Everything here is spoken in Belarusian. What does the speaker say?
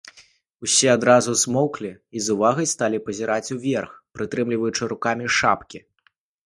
Усе адразу змоўклі і з увагай сталі пазіраць уверх, прытрымліваючы рукамі шапкі.